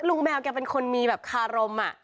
ลูกแมวแกเป็นคนมีคารมอะ